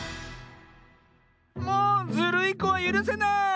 もうズルいこはゆるせない！